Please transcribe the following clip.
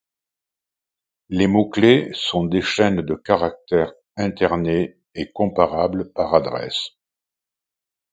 Les mots clefs sont des chaînes de caractères internées et comparables par adresse.